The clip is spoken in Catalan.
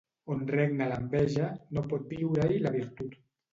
On regna l'enveja, no pot viure-hi la virtut.